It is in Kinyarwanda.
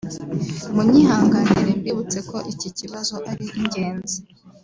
munyihangire mbibutse ko iki kibazo ari ingenzi